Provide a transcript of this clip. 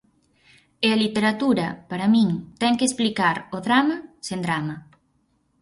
E a literatura, para min, ten que explicar o drama sen drama.